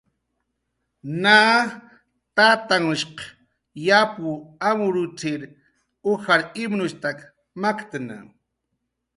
Na tatanhshq yapw amrutzir ujar imnushtak maktna.